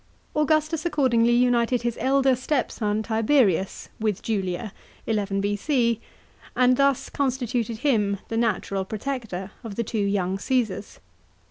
Augustus accordingly united his elder stepson Tiberius with Julia (11 B.C.), and thus con stituted him the natural protector of the two young Cassars.